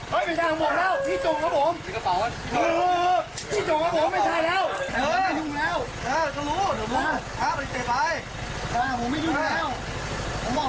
พี่เจ้าฝ่ายาพอแล้วภูมิให้จับมือหน้าสูง